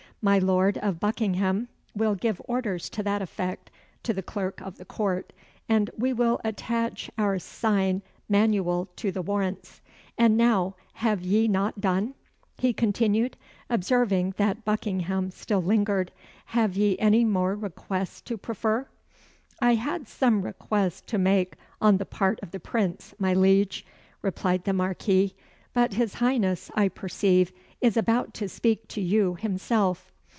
My Lord of Buckingham will give orders to that effect to the Clerk of the Court, and we will attach our sign manual to the warrants. And now have ye not done?" he continued, observing that Buckingham still lingered. "Have ye any mair requests to prefer?" "I had some request to make on the part of the Prince, my Liege," replied the Marquis; "but his Highness, I perceive, is about to speak to you himself."